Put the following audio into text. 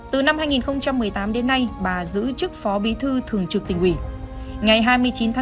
từ năm hai nghìn một mươi tám đến nay bà giữ chức phó bí thư thường trực tỉnh ủy